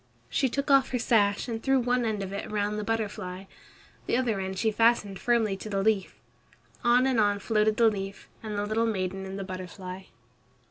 She took off her sash and threw one end of it round the butterfly. The other end she fastened firmly to the leaf. On and on floated the leaf, the little maiden and the butterfly.